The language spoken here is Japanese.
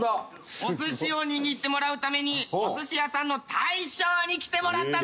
お寿司を握ってもらうためにお寿司屋さんの大将に来てもらったぞ！